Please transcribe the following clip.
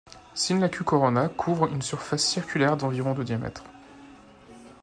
Sinlaku Corona couvre une surface circulaire d'environ de diamètre.